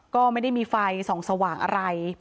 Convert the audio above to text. ก็ไม่ได้มีไฟส่องสว่างอะไร